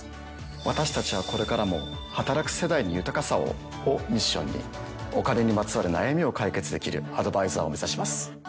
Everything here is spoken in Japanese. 私たちはこれからも「働く世代に豊かさを」をミッションにお金にまつわる悩みを解決できるアドバイザーを目指します。